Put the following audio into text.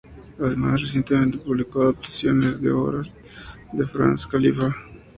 Además, recientemente publicó adaptaciones de obras de Franz Kafka.